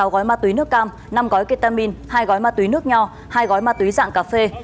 sáu gói ma túy nước cam năm gói ketamin hai gói ma túy nước nho hai gói ma túy dạng cà phê